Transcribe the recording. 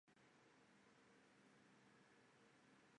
李锋的恋爱故事